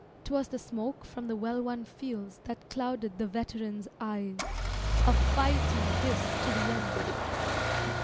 'Twas the smoke from the well won fields That clouded the veteran's eyes. A fighter this to the end!